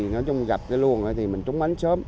nói chung gặp cái luồng thì mình trúng bánh sớm